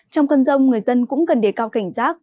trong cơn rông người dân cũng cần đề cao cảnh giác